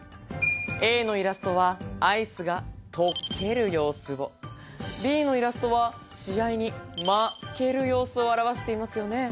Ａのイラストはアイスが溶ける様子を、Ｂのイラストは試合に負ける様子を表していますよね。